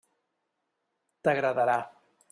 T'agradarà.